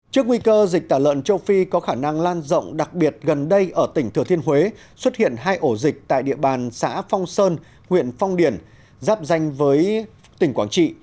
trước nguy cơ dịch tả lợn châu phi có khả năng lan rộng đặc biệt gần đây ở tỉnh thừa thiên huế xuất hiện hai ổ dịch tại địa bàn xã phong sơn huyện phong điền giáp danh với tỉnh quảng trị